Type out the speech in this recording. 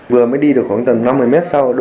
vừa mới đi được khoảng tầm năm mươi mét sau